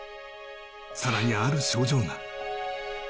さらにある症状が。